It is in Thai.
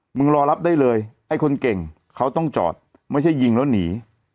รอรับได้เลยไอ้คนเก่งเขาต้องจอดไม่ใช่ยิงแล้วหนี